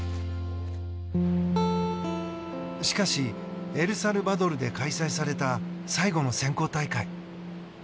しかし、エルサルバドルで開催された最後の選考大会。